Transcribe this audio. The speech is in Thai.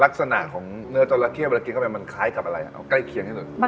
ลักษณะของเนื้อจราเข้เวลากินเข้าไปมันคล้ายกับอะไรเอาใกล้เคียงที่สุด